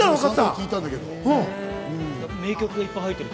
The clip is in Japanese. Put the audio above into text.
名曲がいっぱい入っている。